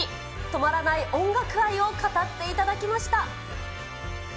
止まらない音楽愛を語っていただきました。